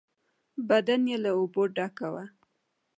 بدنۍ له اوبو ډکه وه.